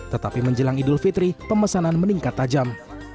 tetapi menjelang idul fitri pemesanan meningkat tajam